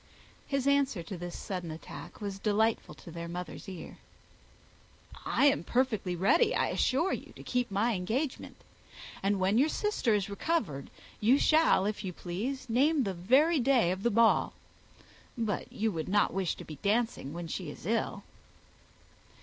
His answer to this sudden attack was delightful to her mother's ear. "I am perfectly ready, I assure you, to keep my engagement; and, when your sister is recovered, you shall, if you please, name the very day of the ball. But you would not wish to be dancing while she is ill?"